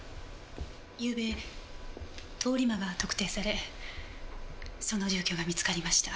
ゆうべ通り魔が特定されその住居が見つかりました。